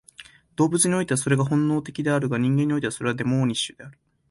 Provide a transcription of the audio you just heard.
動物においてはそれは本能的であるが、人間においてはそれはデモーニッシュである。